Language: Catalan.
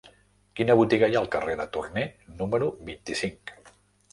Quina botiga hi ha al carrer de Torné número vint-i-cinc?